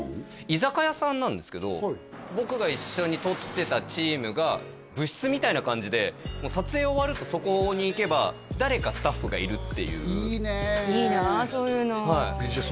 居酒屋さんなんですけど僕が一緒に撮ってたチームが部室みたいな感じで撮影終わるとそこに行けば誰かスタッフがいるっていういいねいいなそういうのじゃあ